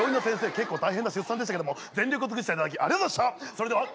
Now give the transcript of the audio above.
結構大変な出産でしたけども全力を尽くしていただきありがとうございました！